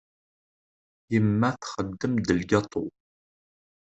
Yemma txeddem-d lgaṭu.